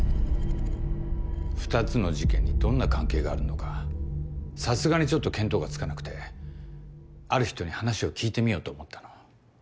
２つの事件にどんな関係があるのかさすがにちょっと見当がつかなくてある人に話を聞いてみようと思ったの。